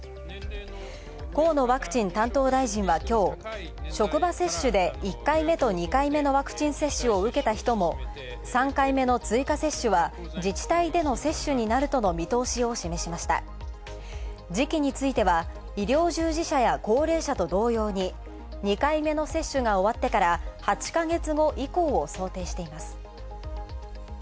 河野ワクチン担当大臣は、きょう職場接種で１回目と２回目のワクチン接種を受けた人も、３回目の追加接種は自治体での接種になるとの見通しを示しました時期については医療従事者や高齢者と同様に２回目の接種が終わってから８か月後以降を想定しています。